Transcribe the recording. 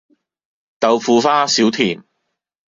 豆腐花少甜